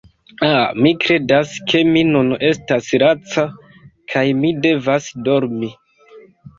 Ah, mi kredas ke mi nun estas laca kaj mi devas dormi